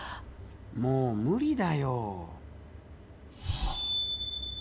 もう無理だよ。